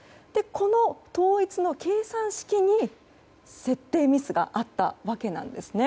この統一の計算式に設定ミスがあったわけなんですね。